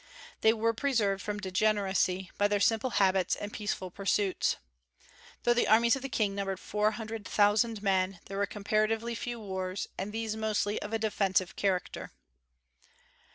They were preserved from degeneracy by their simple habits and peaceful pursuits. Though the armies of the King numbered four hundred thousand men, there were comparatively few wars, and these mostly of a defensive character.